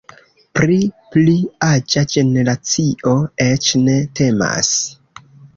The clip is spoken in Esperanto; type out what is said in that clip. Pri pli aĝa generacio eĉ ne temas.